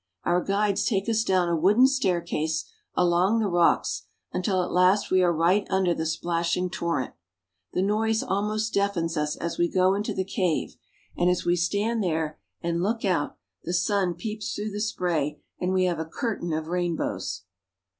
Our guides take us down a wooden staircase along the rocks, until at last we are right under the splashing torrent. The noise almost deaf ens us as we go into the cave, and as we stand there and look out, the sun peeps through the spray, and we have a curtain of rainbows.